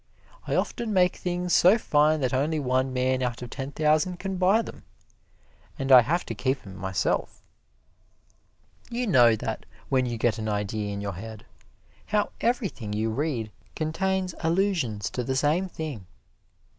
I often make things so fine that only one man out of ten thousand can buy them, and I have to keep 'em myself. You know that, when you get an idea in your head, how everything you read contains allusions to the same thing.